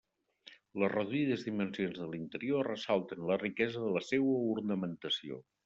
Les reduïdes dimensions de l'interior ressalten la riquesa de la seua ornamentació.